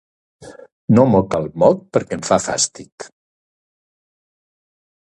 No moc el moc perquè em fa fàstic